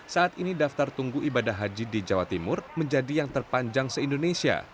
saat ini daftar tunggu ibadah haji di jawa timur menjadi yang terpanjang se indonesia